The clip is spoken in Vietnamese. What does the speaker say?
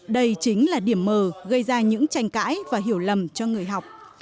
đây chính là điểm mờ gây ra những tranh cãi và hiểu lầm cho người học